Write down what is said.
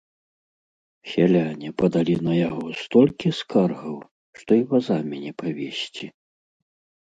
Сяляне падалі на яго столькі скаргаў, што і вазамі не павезці.